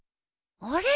あれ？